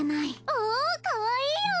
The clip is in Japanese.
おぉかわいいお！